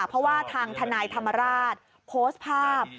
เพราะว่าทางทนายธรรมราชโพสต์ภาพ